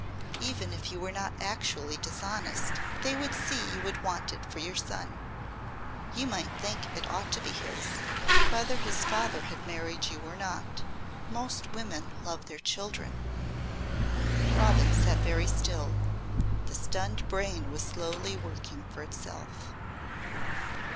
Even if you were not actually dishonest they would see you would want it for your son. You might think it ought to be his whether his father had married you or not. Most women love their children." Robin sat very still. The stunned brain was slowly working for itself.